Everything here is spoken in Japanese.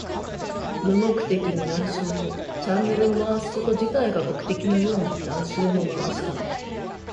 無目的に何周も。チャンネルを回すこと自体が目的のように何周も回した。